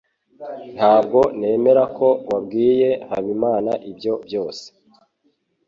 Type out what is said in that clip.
Ntabwo nemera ko wabwiye Habimana ibyo byose.